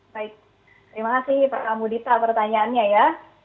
baik terima kasih pramudita pertanyaannya ya